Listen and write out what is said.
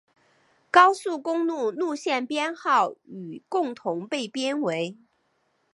高速公路路线编号与共同被编为。